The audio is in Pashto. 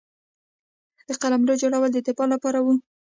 د قلعو جوړول د دفاع لپاره وو